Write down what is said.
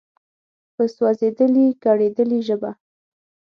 په سوزیدلي، کړیدلي ژبه